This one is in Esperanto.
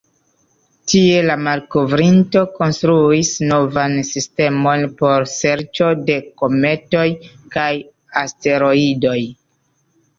Tie, la malkovrinto konstruis novan sistemon por serĉo de kometoj kaj asteroidoj.